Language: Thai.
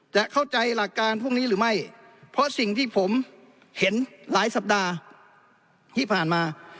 จะเข้าใจหลักการพวกนี้หรือไม่เพราะสิ่งที่ผมเห็นหลายสัปดาห์ที่ผ่านมา